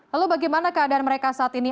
lalu bagaimana keadaan mereka saat ini